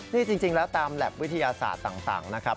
นี่จริงแล้วตามแล็บวิทยาศาสตร์ต่างนะครับ